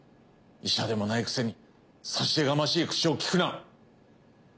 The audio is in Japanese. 医者でもないくせに差し出がましい口をきくな。